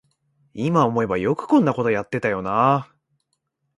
いま思えばよくこんなことやってたよなあ